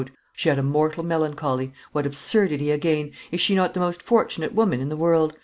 "She had a mortal melancholy. What absurdity again! Is she not the most fortunate woman in the world?